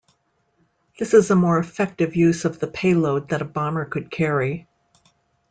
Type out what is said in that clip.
This is a more effective use of the payload that a bomber could carry.